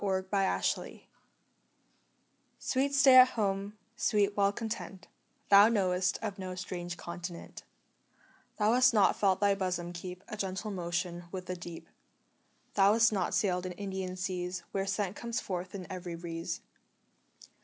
SWEET STAY AT HOME Sweet Stay at Home, sweet Well content, Thou knowest of no strange continent: Thou hast not felt thy bosom keep A gentle motion with the deep; Thou hast not sailed in Indian seas, Where scent comes forth in every breeze.